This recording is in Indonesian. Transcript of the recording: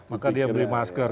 maka dia beli masker